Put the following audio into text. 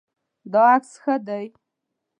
دا عکس ښه دی